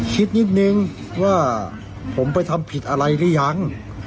คิดนิดนึงว่าผมไปทำผิดอะไรหรือยัง